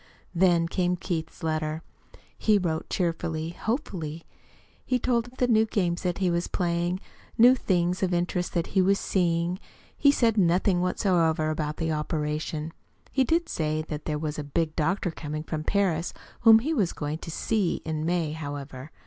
Then came Keith's letter. He wrote cheerfully, hopefully. He told of new games that he was playing, new things of interest that he was "seeing." He said nothing whatever about the operation. He did say that there was a big doctor coming from Paris, whom he was going to "see" in May, however.